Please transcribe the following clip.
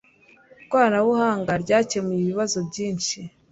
Ikoranabuhanga ryakemuye ibibazo byinshi